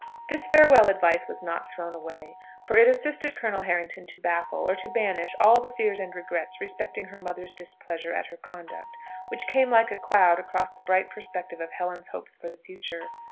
This farewell advice was not thrown away; for it assisted Colonel Harrington to baffle, or to banish, all the fears and regrets respecting her mother's displeasure at her conduct, which came like a cloud across the bright perspective of Helen's hopes for the future.